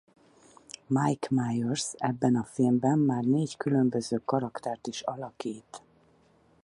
Mike Myers ebben a filmben már négy különböző karaktert is alakít.